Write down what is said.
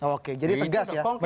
oke jadi tegas ya